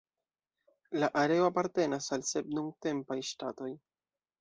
La areo apartenas al sep nuntempaj ŝtatoj.